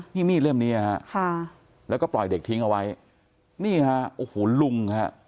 นี่มีดเล่มนี้ฮะค่ะแล้วก็ปล่อยเด็กทิ้งเอาไว้นี่ฮะโอ้โหลุงฮะ